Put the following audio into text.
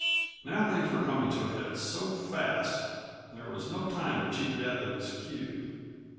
Now things were coming to a head so fast there was no time to cheat Death of his cue.